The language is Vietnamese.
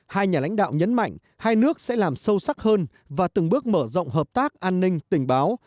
hai nhà lãnh đạo nhấn mạnh hai nước sẽ làm sâu sắc hơn và từng bước mở rộng hợp tác an ninh tình báo